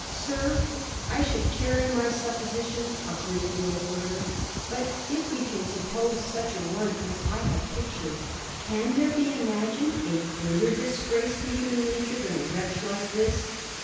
" Sir, I could carry my suppositions a great deal further; but if we can suppose such a one as I have pictured, can there be imagined a greater disgrace to human nature than a wretch like this